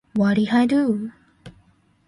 What if I do?